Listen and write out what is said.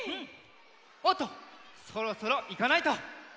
おっとそろそろいかないと。